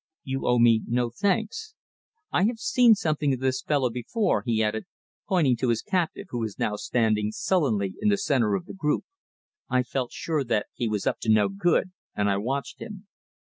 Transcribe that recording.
"You owe me no thanks. I have seen something of this fellow before," he added, pointing to his captive, who was now standing sullenly in the centre of the group. "I felt sure that he was up to no good, and I watched him."